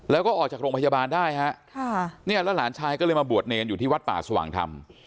แล้วก็ออกจากโรงพยาบาลได้ฮะค่ะเนี่ยแล้วหลานชายก็เลยมาบวชเนรอยู่ที่วัดป่าสว่างธรรม